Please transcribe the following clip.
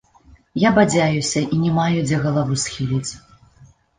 Я бадзяюся і не маю дзе галаву схіліць.